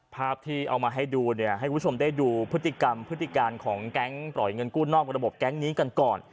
ภาพที่เอามาให้ดูเนี่ยให้คุณผู้ชมได้ดูพฤติกรรมพฤติการของแก๊งปล่อยเงินกู้นอกระบบแก๊งนี้กันก่อน